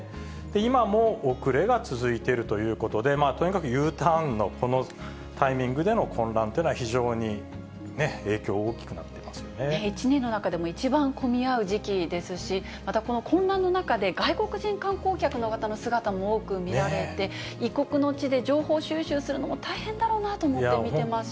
今も遅れが続いているということで、とにかくＵターンのこのタイミングでの混乱というのは、非常に影１年の中でも一番混み合う時期ですし、またこの混乱の中で、外国人観光客の方の姿も多く見られて、異国の地で情報収集するのも大変だろうなと思って見てました。